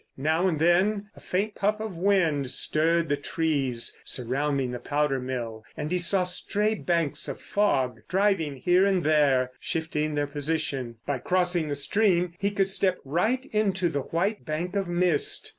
Now and then a faint puff of wind stirred the trees surrounding the powder mill, and he saw stray banks of fog driving here and there, shifting their position. By crossing the stream he could step right into the white bank of mist.